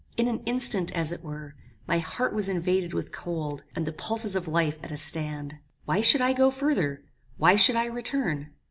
In an instant, as it were, my heart was invaded with cold, and the pulses of life at a stand. "Why should I go further? Why should I return?